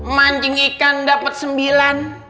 mancing ikan dapet sembilan